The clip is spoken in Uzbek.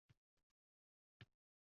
Bolajonim, Xudo xayringni bersin